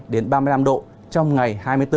đến ba mươi năm độ trong ngày hai mươi bốn